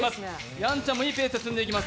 やんちゃんもいいペースで積んでいきます。